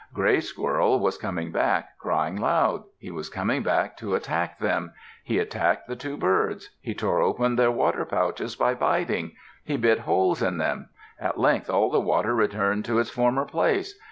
Gray Squirrel was coming back, crying loud. He was coming back to attack them. He attacked the two birds. He tore open their water pouches by biting. He bit holes in them. At length all the water returned to its former place.